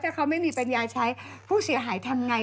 ถ้าเขาไม่มีปัญญาใช้ผู้เสียหายทำไง